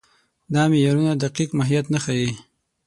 دا معیارونه دقیق ماهیت نه ښيي.